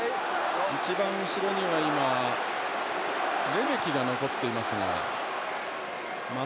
一番後ろにはレメキが残っています。